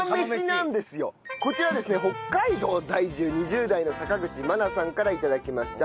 こちらですね北海道在住２０代の阪口眞奈さんから頂きました。